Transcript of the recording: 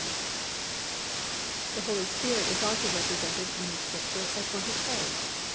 The Holy Spirit is also represented in the Scripture as one who prays.